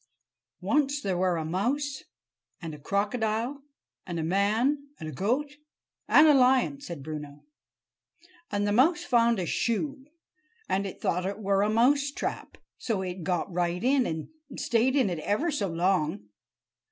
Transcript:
_] "Once there were a mouse and a crocodile and a man and a goat and a lion," said Bruno. "And the mouse found a shoe, and it thought it were a mouse trap. So it got right in, and it stayed in ever so long."